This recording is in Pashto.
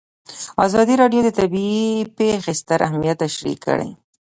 ازادي راډیو د طبیعي پېښې ستر اهميت تشریح کړی.